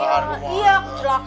iya kak ngewok